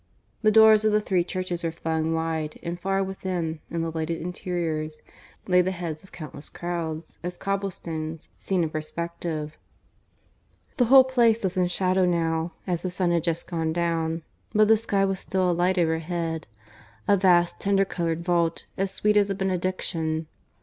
The doors of the three churches were flung wide, and far within, in the lighted interiors, lay the heads of countless crowds, as cobble stones, seen in perspective. The whole Place was in shadow now, as the sun had just gone down, but the sky was still alight overhead, a vast tender coloured vault, as sweet as a benediction.